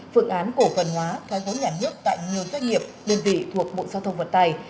phương án cổ phần hóa thoái vốn nhà nước tại nhiều doanh nghiệp đơn vị thuộc bộ giao thông vận tài